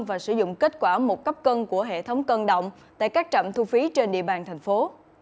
và sử dụng kết quả một cấp cân của hệ thống cân động tại các trạm thu phí trên địa bàn thành phố